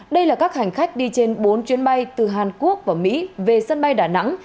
đây là các hành khách đi trên bốn chuyến bay từ hàn quốc và mỹ về sân bay đà nẵng